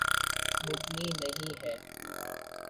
مبنی نہیں ہے۔